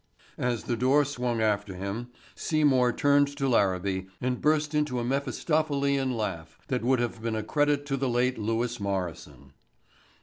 As the door swung after him Seymour turned to Larabee and burst into a Mephistophelian laugh that would have been a credit to the late Lewis Morrison.